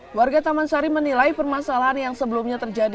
antara taman sari dan taman sari yang menilai permasalahan yang sebelumnya terjadi